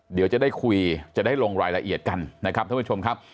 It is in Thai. เดี๋ยวจะได้คุยจะได้ลงรายละเอียดกันนะครับท่านผู้ชมครับ